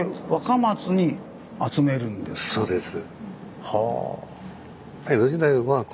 そうです。